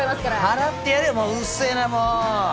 払ってやるようるせえなもう！